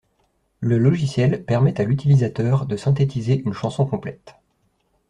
Le logiciel permet à l'utilisateur de synthétiser une chanson complète.